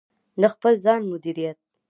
د خپل ځان مدیریت: